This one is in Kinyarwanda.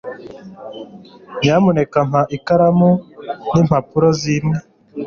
Nyamuneka mpa ikaramu n'impapuro zimwe.